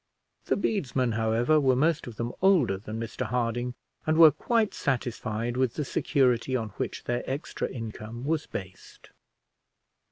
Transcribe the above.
The bedesmen, however, were most of them older than Mr Harding, and were quite satisfied with the security on which their extra income was based.